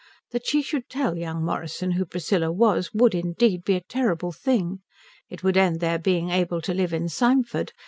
That she should tell young Morrison who Priscilla was would indeed be a terrible thing. It would end their being able to live in Symford.